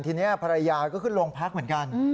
ทีนี้ภรรยาก็ขึ้นโรงพักเหมือนกัน